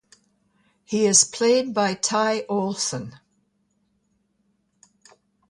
He is played by Ty Olsson.